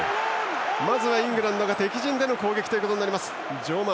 まずはイングランドが敵陣での攻撃となりました。